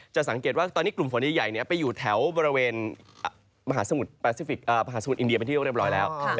สังเกตว่าตอนนี้กลุ่มฝนใหญ่ไปอยู่แถวบริเวณมหาสมุทรอินเดียเป็นที่เรียบร้อยแล้ว